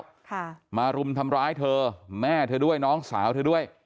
ค่ะมารุมทำร้ายเธอแม่เธอด้วยน้องสาวเธอด้วย